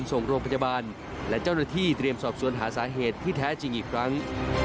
ส่งโรงพยาบาลและเจ้าหน้าที่เตรียมสอบสวนหาสาเหตุที่แท้จริงอีกครั้ง